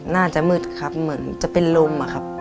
น่าจะมืดครับเหมือนจะเป็นลมอะครับ